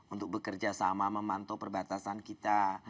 untuk bekerjasama memantau perbatasan kita